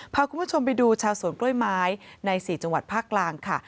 พาคุณผู้ชมไปดูชาวสวนกล้วยไม้ใน๔จังหวัดภาคกลางค่ะ